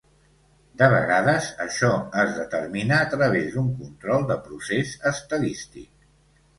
De vegades això es determina a través d'un control de procés estadístic.